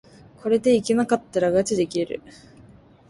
これでいけなかったらがちで切れる